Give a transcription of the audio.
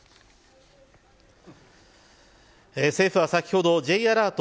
政府は先ほどＪアラート